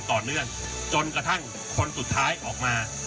ต่อเนื่องจนกระทั่งคนสุดท้ายออกมา